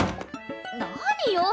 何よ。